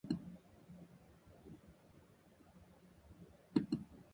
左表のとおりの支出になることが、ある意味わが社の社風である。